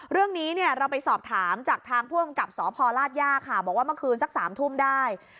เรื่องนี้เนี่ยเราไปสอบถามจากทางผู้อำกับสพลาดย่าค่ะบอกว่าเมื่อคืนสัก๓ทุ่มได้